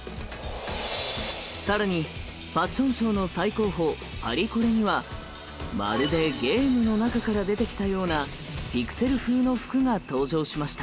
更にファッションショーの最高峰パリコレにはまるでゲームの中から出てきたようなピクセル風の服が登場しました。